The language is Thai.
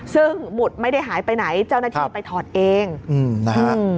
ซึ่งหมุดไม่ได้หายไปไหนเจ้าหน้าที่ไปถอดเองนะฮะ